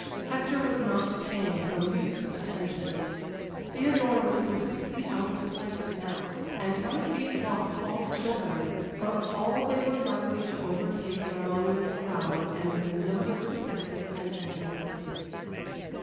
Hector was not paying the least attention. Theodora was completely out of sight now, and might be lost altogether, for all they were likely to overtake her among this crowd and the numberless exits and entrances.